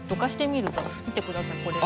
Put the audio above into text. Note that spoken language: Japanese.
見てくださいこれ。